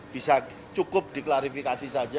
bisa cukup diklarifikasi